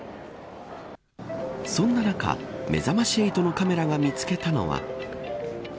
そんな中、めざまし８のカメラが見つけたのは。